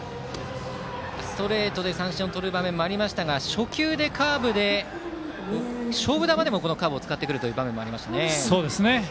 ストレートで三振をとる場面もありましたが初球でカーブで勝負球でもこのカーブを使ってくる場面がありました。